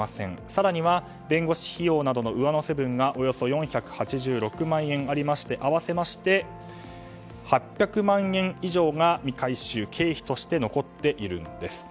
更には弁護士費用などの上乗せ分がおよそ４８６万円ありまして合わせまして８００万円以上が未回収として残っているんです。